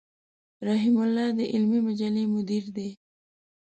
رحيم الله د علمي مجلې مدير دی.